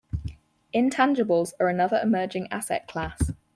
Intangibles are another emerging asset class.